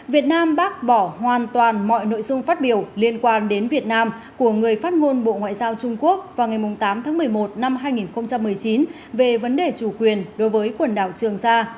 việt nam bác bỏ hoàn toàn mọi nội dung phát biểu liên quan đến việt nam của người phát ngôn bộ ngoại giao trung quốc vào ngày tám tháng một mươi một năm hai nghìn một mươi chín về vấn đề chủ quyền đối với quần đảo trường sa